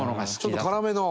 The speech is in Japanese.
ちょっと辛めの？